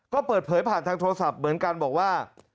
ก็เปิดเผยผ่านทางโทรศัพท์เหมือนกันบอกว่า